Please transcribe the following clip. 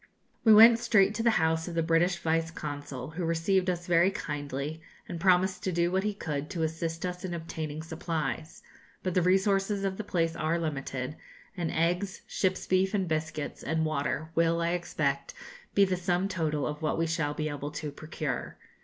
We went straight to the house of the British Vice Consul, who received us very kindly, and promised to do what he could to assist us in obtaining supplies; but the resources of the place are limited, and eggs, ship's beef and biscuits, and water, will, I expect, be the sum total of what we shall be able to procure.